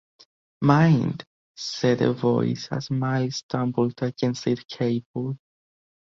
“Mind!” said a voice, as Myles stumbled against a cable.